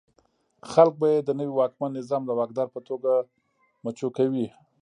خلک به یې د نوي واکمن نظام د واکدار په توګه مچو کوي.